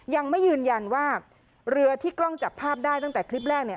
ยังไม่ยืนยันว่าเรือที่กล้องจับภาพได้ตั้งแต่คลิปแรกเนี่ย